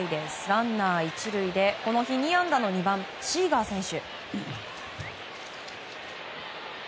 ランナー１塁でこの日２安打の２番、シーガー選手。